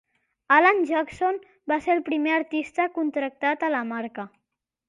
Alan Jackson va ser el primer artista contractat a la marca.